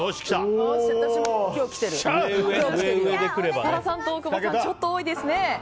設楽さんと大久保さんが多いですね。